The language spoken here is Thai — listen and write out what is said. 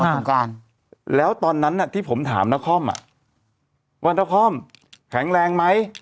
วันถุงการแล้วตอนนั้นน่ะที่ผมถามนคร่อมว่านคร่อมแข็งแรงไหม